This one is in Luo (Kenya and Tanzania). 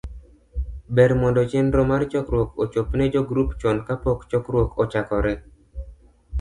ber mondo chenro mar chokruok ochop ne jogrup chon kapok chokruok ochakore.